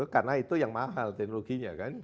karena itu yang mahal teknologinya kan